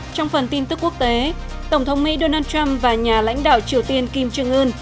trong phần tin tức quốc tế tổng thống mỹ donald trump và nhà lãnh đạo triều tiên kim trương ưn